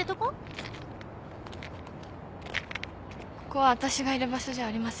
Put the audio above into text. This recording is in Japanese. ここはわたしがいる場所じゃありませんから。